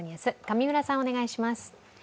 上村さん、お願いします。